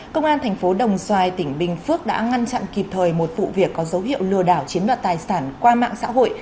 công an thành phố đồng xoài tỉnh bình phước đã ngăn chặn kịp thời một vụ việc có dấu hiệu lừa đảo chiếm đoạt tài sản qua mạng xã hội